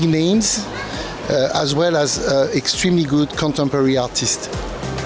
nama besar dan artis kontemporer yang sangat bagus